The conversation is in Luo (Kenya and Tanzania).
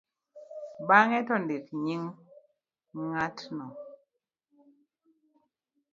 bang'e to ndik nying' ng'atno